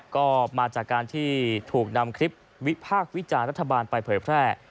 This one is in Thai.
ก็มาจากการที่ถูกนำคลิปวิพากษ์วิจารณ์รัฐบาลไปเผยแพร่